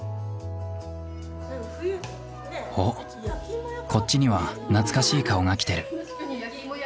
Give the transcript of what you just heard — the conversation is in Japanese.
おっこっちには懐かしい顔が来てる。